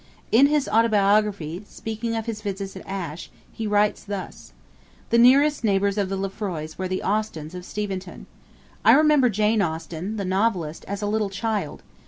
In his autobiography, speaking of his visits at Ashe, he writes thus: 'The nearest neighbours of the Lefroys were the Austens of Steventon. I remember Jane Austen, the novelist, as a little child.